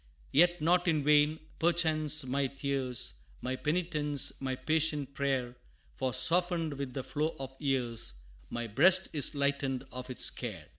Yet not in vain, perchance, my tears, My penitence, my patient prayer, For, softened with the flow of years, My breast is lightened of its care.